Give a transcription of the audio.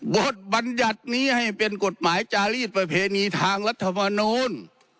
บัญญัตินี้ให้เป็นกฎหมายจารีสประเพณีทางรัฐมนูล